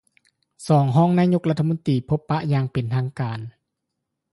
ສອງຮອງນາຍົກລັດຖະມົນຕີ ພົບປະຢ່າງເປັນທາງການ